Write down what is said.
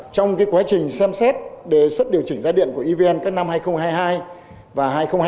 trong quá trình xem xét đề xuất điều chỉnh giá điện của evn các năm hai nghìn hai mươi hai và hai nghìn hai mươi